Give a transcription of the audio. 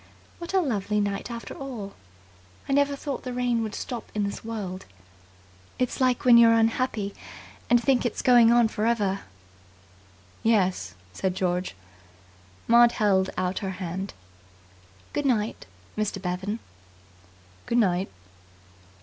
"What a lovely night after all! I never thought the rain would stop in this world. It's like when you're unhappy and think it's going on for ever." "Yes," said George. Maud held out her hand. "Good night, Mr. Bevan." "Good night."